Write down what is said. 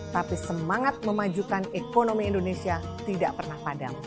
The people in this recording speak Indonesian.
tapi semangat memajukan ekonomi indonesia tidak pernah padam